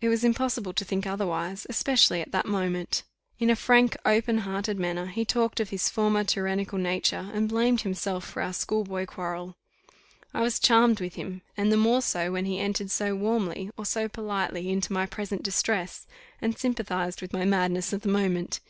It was impossible to think otherwise, especially at that moment. In a frank, open hearted manner, he talked of his former tyrannical nature, and blamed himself for our schoolboy quarrel. I was charmed with him, and the more so, when he entered so warmly or so politely into my present distress, and sympathized with my madness of the moment.